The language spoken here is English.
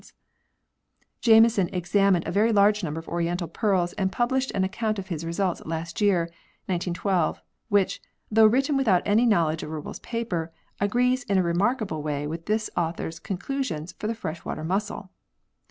vin] THE ORIGIN OF PEARLS 115 Jameson examined a very large number of oriental pearls and published an account of his results last year (1912) which, though written without any know ledge of Rubbel's paper, agrees in a remarkable way with this author's conclusions for the fresh water mussel.